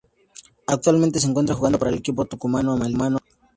Actualmente se encuentra jugando para el equipo tucumano, Amalia.